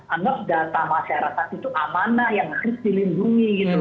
anggap data masyarakat itu amanah yang harus dilindungi gitu